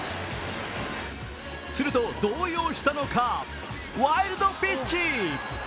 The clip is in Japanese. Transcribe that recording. すると、動揺したのかワイルドピッチ。